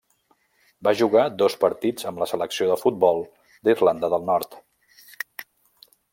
Va jugar dos partits amb la selecció de futbol d'Irlanda del Nord.